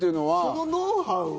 そのノウハウは。